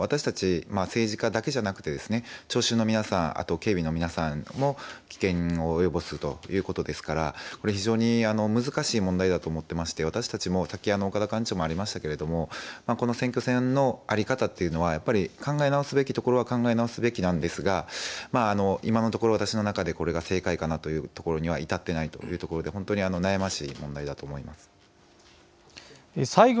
こういった行為は本当に許されないことだと思いますしそれから私たち政治家だけじゃなくて聴衆の皆さん、警備の皆さんも危険を及ぼすということですから非常に難しい問題だと思っていて私たちも岡田幹事長からあったようにこの選挙戦の在り方というのは考え直すべきところは考え直すべきなんですが今のところ、私の中でこれが正解かなというところに至ってはいないというところで本当に悩ましい問題だと思います。